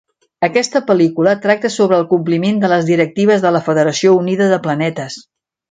Aquesta pel·lícula tracta sobre el compliment de les Directives de la Federació Unida de Planetes.